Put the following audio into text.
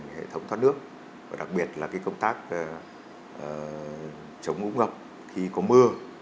hệ thống thoát nước và đặc biệt là công tác chống ủng hộp khi có mưa